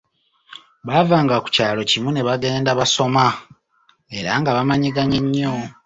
Baavanga ku kyalo kimu ne bagenda basoma era nga bamanyiganye nnyo.